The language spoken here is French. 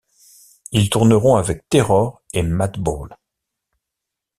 Ils tourneront avec Terror et Madball.